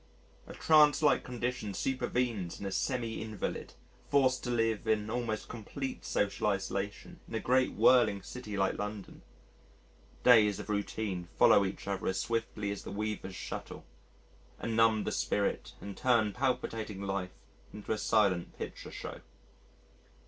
A trance like condition supervenes in a semi invalid forced to live in almost complete social isolation in a great whirling city like London. Days of routine follow each other as swiftly as the weaver's shuttle and numb the spirit and turn palpitating life into a silent picture show.